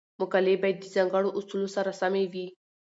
مقالې باید د ځانګړو اصولو سره سمې وي.